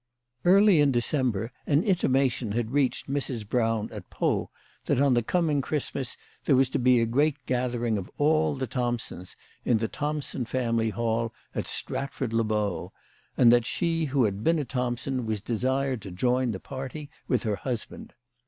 203 Early in December an intimation had reached Mrs. Brown at Pau that on the coming Christmas there was to be a great gathering of all the Thompsons in the Thompson family hall at Stratford le Bow, and that she who had been a Thompson was desired to join the party with her husband.